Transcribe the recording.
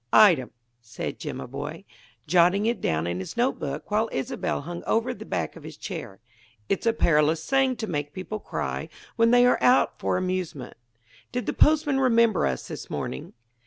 "Item," said Jimaboy, jotting it down in his notebook while Isobel hung over the back of his chair: "It's a perilous thing to make people cry when they are out for amusement. Did the postman remember us this morning?"